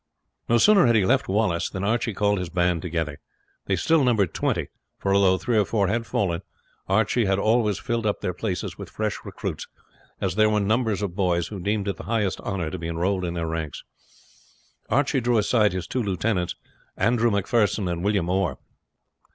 No sooner had he left Wallace than Archie called his band together. They still numbered twenty, for although three or four had fallen, Archie had always filled up their places with fresh recruits, as there were numbers of boys who deemed it the highest honour to be enrolled in their ranks. Archie drew aside his two lieutenants, Andrew Macpherson and William Orr.